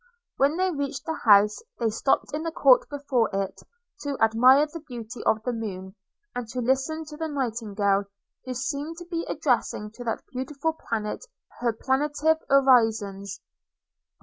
When they reached the house, they stopped in the court before it, to admire the beauty of the moon, and to listen to the nightingale, who seemed to be addressing to that beautiful planet her plaintive orisons.